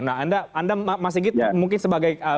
anda masih mungkin sebagai